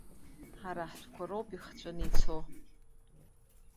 Ҳара ҳтәқәа роуп ихҵәаны ицо.